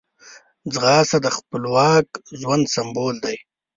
ځغاسته د خپلواک ژوند سمبول دی